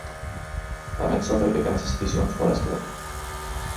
Tamén sofre pequenas escisións pola esquerda.